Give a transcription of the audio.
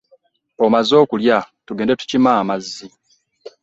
Omaze okulya tugende tukime amazzi?